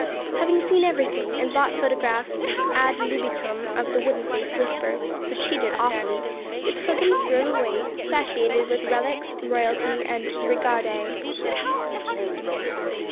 Having seen every thing, and bought photographs ad libitum of the wooden faced lisper, who cheated awfully, the pilgrims drove away, satiated with relics, royalty, and 'regardez.'